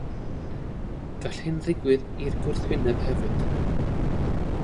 Gall hyn ddigwydd i'r gwrthwyneb hefyd.